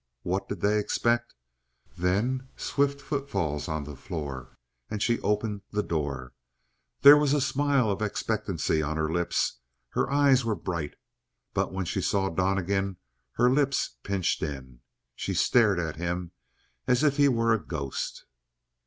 What did they expect? Then swift foot falls on the floor, and she opened the door. There was a smile of expectancy on her lips; her eyes were bright; but when she saw Donnegan her lips pinched in. She stared at him as if he were a ghost.